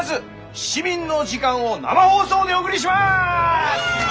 「市民の時間」を生放送でお送りします！